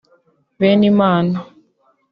Benimana